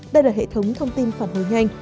đây là hệ thống thông tin phản hồi nhanh